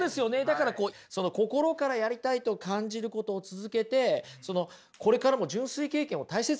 だから心からやりたいと感じることを続けてこれからも純粋経験を大切にしていけばね